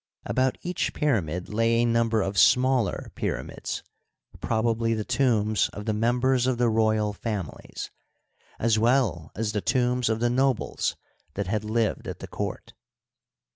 About each pyramid lay a number of smaller pyramids, probably the tombs of the members of the royal families, as well as the tombs of the nobles that had lived at the court.